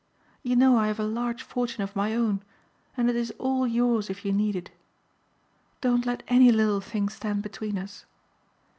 You know I have a large fortune of my own and it is all yours if you need it. Don't let any little thing stand between us.